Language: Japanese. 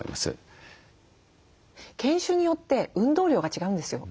犬種によって運動量が違うんですよ。